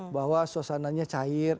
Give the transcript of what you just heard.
bahwa suasananya cair